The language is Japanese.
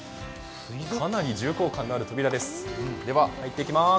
かなり重厚感のある扉です。